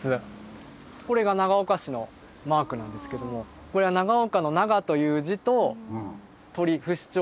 これが長岡市のマークなんですけどもこれは長岡の「長」という字と鳥不死鳥。